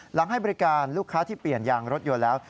ให้บริการลูกค้าที่เปลี่ยนยางรถยนต์แล้ว